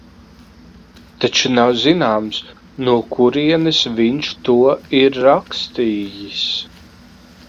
Taču nav zināms, no kurienes viņš to ir rakstījis.